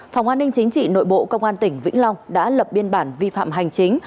phòng an ninh chính trị nội bộ công an tỉnh vĩnh long đã lập biên bản vi phạm hành chính